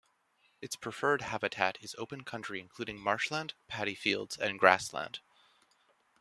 Its preferred habitat is open country including marshland, paddy fields and grassland.